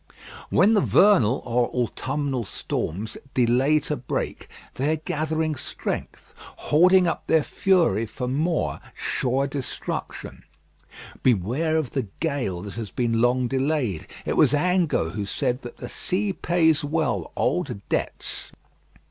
When the vernal or autumnal storms delay to break, they are gathering strength; hoarding up their fury for more sure destruction. Beware of the gale that has been long delayed. It was Angot who said that "the sea pays well old debts."